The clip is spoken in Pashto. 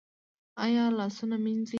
ایا لاسونه مینځي؟